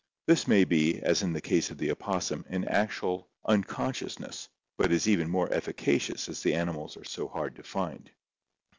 This may be, as in the case of the opossum, an actual unconscious ness, but is even more efficacious as the animals are so hard to find.